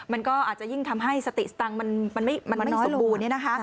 มันก็อาจจะยิ่งทำให้สติสตังค์มันไม่สมบูรณเนี่ยนะคะ